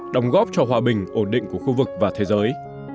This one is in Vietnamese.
đóng góp cho hòa bình ổn định của khu vực và thế giới